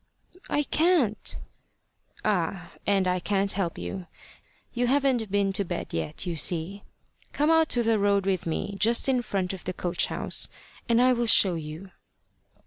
"I can't." "Ah! and I can't help you you haven't been to bed yet, you see. Come out to the road with me, just in front of the coach house, and I will show you."